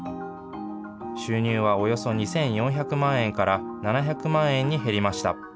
収入はおよそ２４００万円から、７００万円に減りました。